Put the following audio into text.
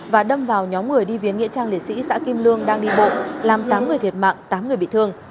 và đâm vào nhóm người đi viếng nghĩa trang liệt sĩ xã kim lương đang đi bộ làm tám người thiệt mạng tám người bị thương